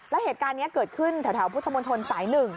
แล้วเหตุการณ์นี้เกิดขึ้นแถวพุทธมนตรสาย๑